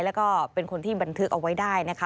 แล้วก็เป็นคนที่บันทึกเอาไว้ได้นะคะ